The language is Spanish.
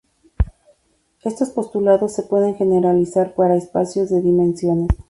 Estos postulados se pueden generalizar para espacios de n dimensiones.